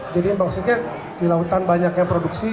jadi maksudnya di lautan banyaknya produksi